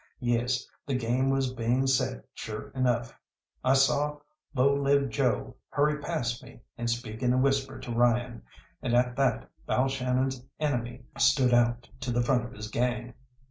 Yes, the game was being set sure enough. I saw Low Lived Joe hurry past me and speak in a whisper to Ryan, and at that Balshannon's enemy stood out to the front of his gang.